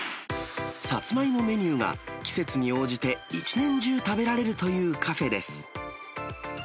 さつまいもメニューが季節に応じて、一年中食べられるというカフェです。